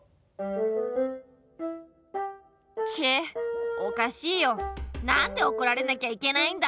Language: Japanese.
チェッおかしいよなんでおこられなきゃいけないんだ。